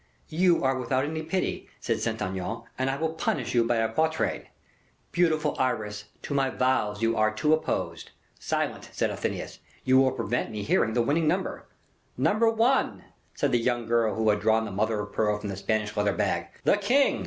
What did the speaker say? "You are without any pity," said Saint Aignan, "and I will punish you by a quatrain: "Beautiful Iris, to my vows You are too opposed " "Silence," said Athenais, "you will prevent me hearing the winning number." "Number one," said the young girl who had drawn the mother of pearl from the Spanish leather bag. "The king!"